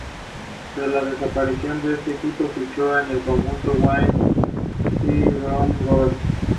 El jurado estaba presidido por el escritor Felipe Benítez Reyes.